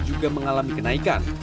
juga mengalami kenaikan